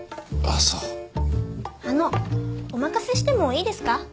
あのうお任せしてもいいですか？